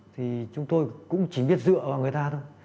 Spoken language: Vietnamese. thì chúng tôi cũng chỉ biết dựa vào người ta thôi